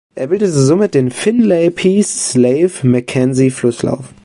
Er bildet somit den Finlay–Peace–Slave–Mackenzie-Flusslauf.